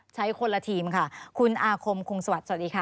คนละทีมค่ะคุณอาคมคงสวัสดีค่ะ